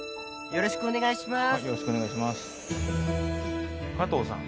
よろしくお願いします